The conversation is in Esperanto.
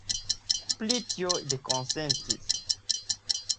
Pri tio ili konsentis.